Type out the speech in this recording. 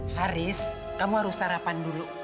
haris kamu harus sarapan dulu